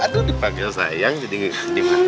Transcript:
aduh dipanggil sayang jadi gimana